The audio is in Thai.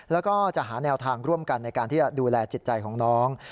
แล้วก็จะหาแนวทางร่วมกันในการที่จะดูแลจิตใจของน้อง